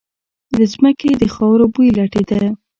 له ځمکې د خاورو بوی لټېده.